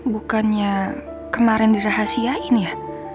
bukannya kemarin dirahasiain ya